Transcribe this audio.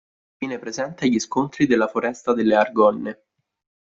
Fu infine presente agli scontri della foresta delle Argonne.